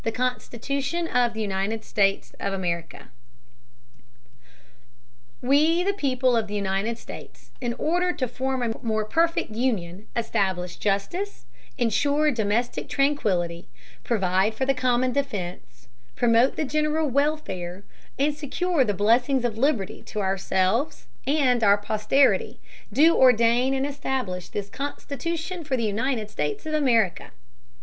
CONSTITUTION OF THE UNITED STATES OF AMERICA WE THE PEOPLE of the United States, in Order to form a more perfect Union, establish Justice, insure domestic Tranquility, provide for the common defence, promote the general Welfare, and secure the Blessings of Liberty to ourselves and our Posterity, do ordain and establish this CONSTITUTION for the United States of America.